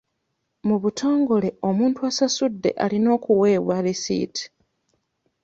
Mu butongole omuntu asasudde alina okuweebwa lisiiti.